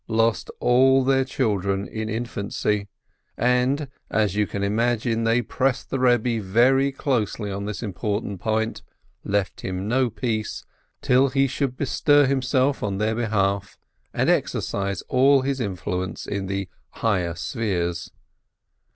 lost all their children in infancy, and, as you can imagine, they pressed the Eebbe very closely on this important point, left him no peace, till he should bestir himself on their behalf, and exercise all his influence in the Higher Spheres.